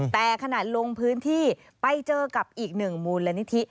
แต่ขนาดลงพื้นที่ไปเจอกับอีก๑มูลนิธิ